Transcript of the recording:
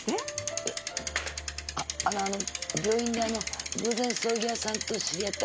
いやあの病院であの偶然葬儀屋さんと知り合った。